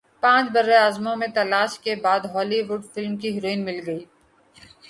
پانچ براعظموں میں تلاش کے بعد ہولی وڈ فلم کی ہیروئن مل گئی